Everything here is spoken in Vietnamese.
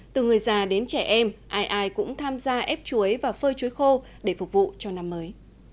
từ người già đến trẻ em ai ai cũng tham gia ép chuối và phơi chuối khô để phục vụ cho năm mới